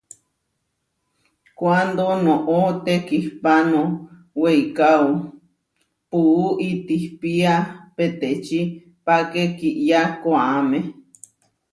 Kuándo noʼó tekihpáno weikáo, puú itihpía peteči páke kiyá koʼáme.